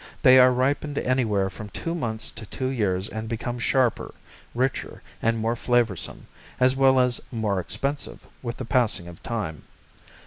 They are ripened anywhere from two months to two years and become sharper, richer and more flavorsome, as well as more expensive, with the passing of time.